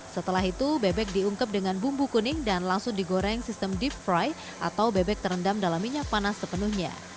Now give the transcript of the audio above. setelah itu bebek diungkep dengan bumbu kuning dan langsung digoreng sistem deep fry atau bebek terendam dalam minyak panas sepenuhnya